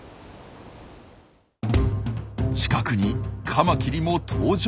近くにカマキリも登場。